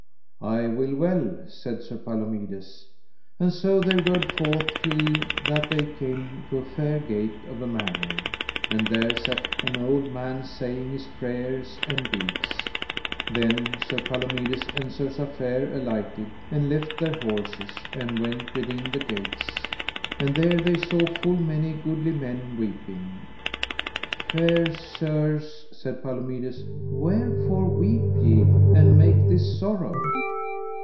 I will well, said Sir Palomides. And so they rode forth till that they came to a fair gate of a manor, and there sat an old man saying his prayers and beads. Then Sir Palomides and Sir Safere alighted and left their horses, and went within the gates, and there they saw full many goodly men weeping. Fair sirs, said Palomides, wherefore weep ye and make this sorrow?